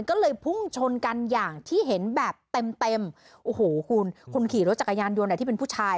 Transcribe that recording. ก็เลยพุ่งชนกันอย่างที่เห็นแบบเต็มเต็มโอ้โหคุณคนขี่รถจักรยานยนต์ที่เป็นผู้ชาย